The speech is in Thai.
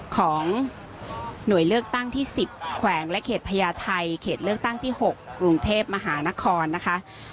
ของหน่วยเลือกตั้งที่๑๐แขวงและเขตพญาไทยเขตเลือกตั้งที่๖กรุงเทพมหานครนะคะ